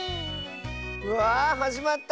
うわあはじまった。